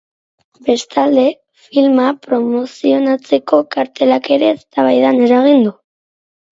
Bestalde, filma promozionatzeko kartelak ere eztabaida eragin du.